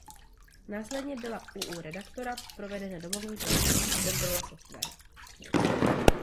Následně byla u u redaktora provedena domovní prohlídka a kontrola software.